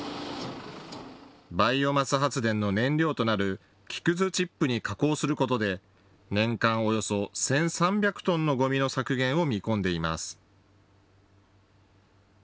バイオマス発電の燃料となる木くずチップに加工することで年間およそ１３００トンのゴミの削減を見込んでいます。